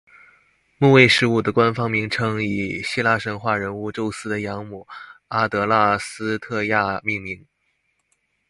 木卫十五的官方名称以希腊神话人物宙斯的养母阿德剌斯忒亚命名。